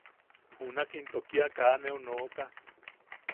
Junak into kia kaa neu nooka.